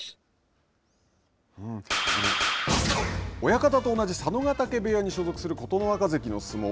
親方と同じ佐渡ヶ嶽部屋に所属する琴ノ若関の相撲。